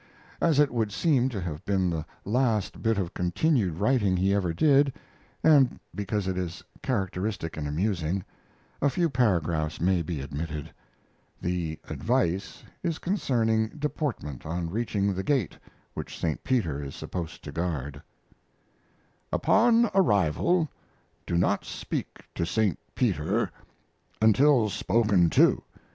As it would seem to have been the last bit of continued writing he ever did, and because it is characteristic and amusing, a few paragraphs may be admitted. The "advice" is concerning deportment on reaching the Gate which St. Peter is supposed to guard Upon arrival do not speak to St. Peter until spoken to.